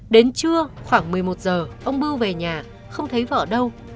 đến trưa khoảng một mươi một h ông bưu về nhà không thấy vợ đâu